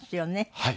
はい。